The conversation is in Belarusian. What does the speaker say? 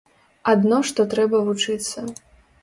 Адно што трэба вывучыцца.